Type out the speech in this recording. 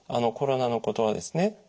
コロナのことはですね